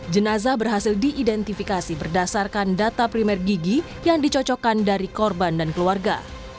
jenazah berhasil diidentifikasi berdasarkan data primer gigi yang dicocokkan dari korban dan keluarga